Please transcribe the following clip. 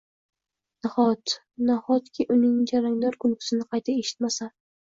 Nahot, nahotki, uning jarangdor kulgisini qayta eshitmasam?